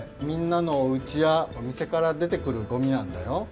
みんなのおうちやおみせからでてくるごみなんだよ。